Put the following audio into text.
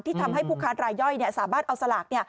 ที่ทำให้ผู้ค้ารายย่อยสาธารณ์เบาตรงสลาก